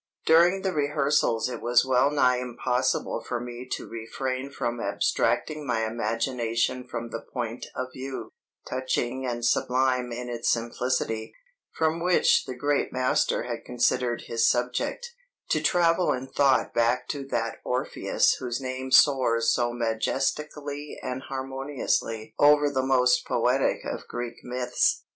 During the rehearsals it was well nigh impossible for me to refrain from abstracting my imagination from the point of view touching and sublime in its simplicity from which the great master had considered his subject, to travel in thought back to that Orpheus whose name soars so majestically and harmoniously over the most poetic of Greek myths.